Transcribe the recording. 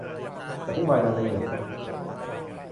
อธิบายโดยละเอียด